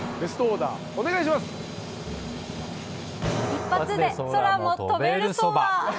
一発で空も飛べるそば。